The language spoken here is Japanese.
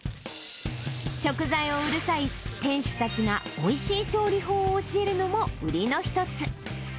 食材にうるさい店主たちがおいしい調理法を教えるのも売りの一つ。